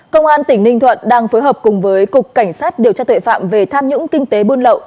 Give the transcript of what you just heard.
công an tỉnh ninh thuận đang phối hợp cùng với cục cảnh sát điều tra tội phạm về tham nhũng kinh tế buôn lậu